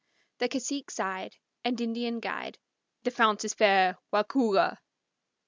The cacique sighed, And Indian guide, "The fount is fair, Waukulla!